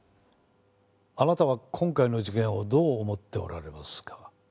あなたは今回の事件をどう思っておられますか？